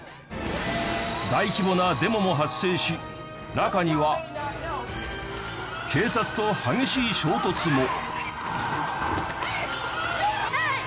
大規模なデモも発生し中には警察と激しい衝突も。